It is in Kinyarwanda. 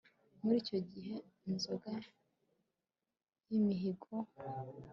muri icyo gihe inzoga y'imihigo